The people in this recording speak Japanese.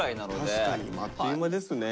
確かにあっという間ですね。